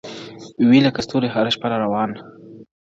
وي لكه ستوري هره شــپـه را روان.